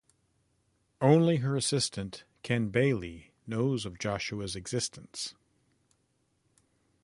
Only her assistant Ken Bailey knows of Joshua's existence.